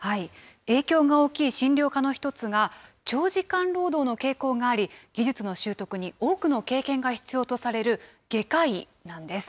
影響が大きい診療科の１つが、長時間労働の傾向があり、技術の習得に多くの経験が必要とされる外科医なんです。